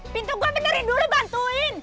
pintu gue dari dulu bantuin